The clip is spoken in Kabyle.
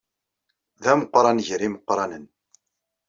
D ameqqran gar yimeqqranen.